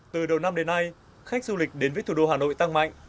từ đầu năm đến nay khách du lịch đến với thủ đô hà nội tăng mạnh